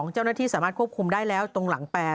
เจ้าหน้าที่สามารถควบคุมได้แล้วตรงหลังแปร